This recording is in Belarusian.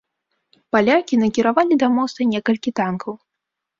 Палякі накіравалі да моста некалькі танкаў.